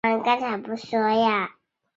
刘元霖人。